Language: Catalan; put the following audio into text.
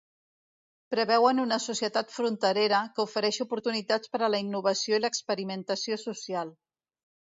Preveuen una societat fronterera, que ofereixi oportunitats per a la innovació i l'experimentació social.